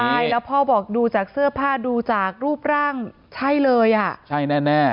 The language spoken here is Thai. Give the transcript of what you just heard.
ใช่แล้วพ่อบอกดูจากเสื้อผ้าดูจากรูปร่างใช่เลยอ่ะใช่แน่แน่